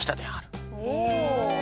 おお！